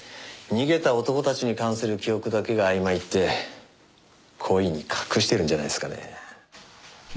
逃げた男たちに関する記憶だけがあいまいって故意に隠してるんじゃないですかね。